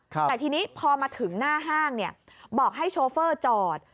แต่ทีนี้พอมาถึงหน้าห้างบอกให้โชเฟอร์จอด